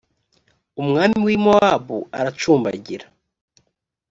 umwami wi mowabu aracumbagira.